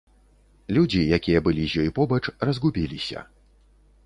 Людзі, якія былі з ёй побач, разгубіліся.